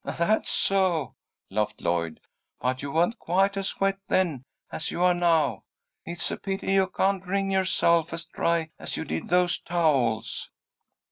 "That's so," laughed Lloyd. "But you weren't quite as wet then as you are now. It's a pity you can't wring yourself as dry as you did those towels."